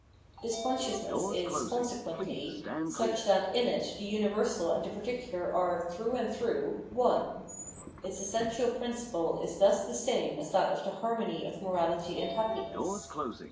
This consciousness is, consequently, such that in it the universal and the particular are, through and through, one ; its essential principle is thus the same as that of the harmony of morahty and happiness.